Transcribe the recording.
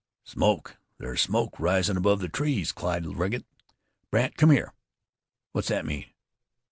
"Smoke! There's smoke risin' above the trees," cried Legget. "Brandt, come here. What's thet mean?"